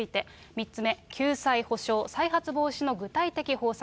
３つ目、救済、補償、再発防止の具体的方策。